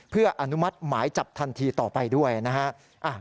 เพื่ออนุมัติหมายจับทันทีต่อไปด้วยนะฮะ